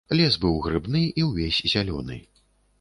Лес быў грыбны і ўвесь зялёны.